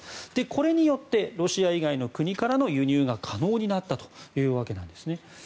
これによってロシア以外の国からの輸入が可能になったというわけなんですね。